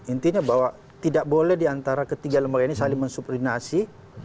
intinya bahwa tidak boleh diantara ketiga lembaga ini saling mensubordinasi